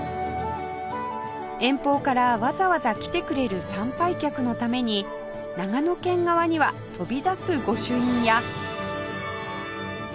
遠方からわざわざ来てくれる参拝客のために長野県側には飛び出す御朱印や